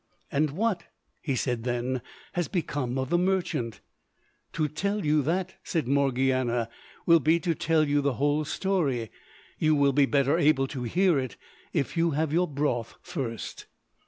"And what," he said then, "has become of the merchant?" "To tell you that," said Morgiana, "will be to tell you the whole story; you will be better able to hear it if you have your broth first."